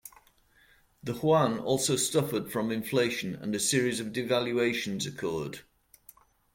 The hwan also suffered from inflation and a series of devaluations occurred.